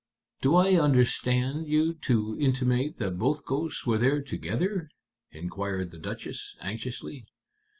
"Do I understand you to intimate that both ghosts were there together?" inquired the Duchess, anxiously.